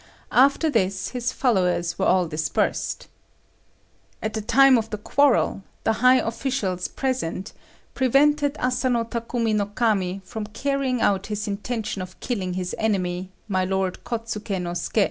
After this his followers were all dispersed. At the time of the quarrel the high officials present prevented Asano Takumi no Kami from carrying out his intention of killing his enemy, my Lord Kôtsuké no Suké.